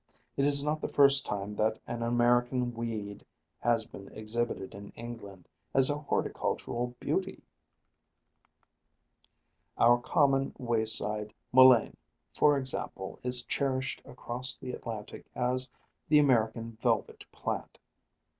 It is not the first time that an American weed has been exhibited in England as a horticultural beauty; our common way side mullein, for example, is cherished across the Atlantic as the "American velvet plant."